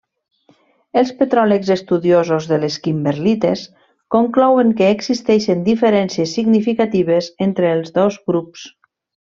Els petròlegs estudiosos de les kimberlites conclouen que existeixen diferències significatives entre els dos grups.